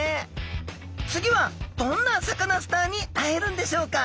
次はどんなサカナスターに会えるんでしょうか。